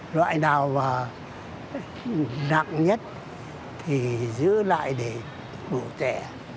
loại nào mà nặng nhất thì giữ lại để bổ trẻ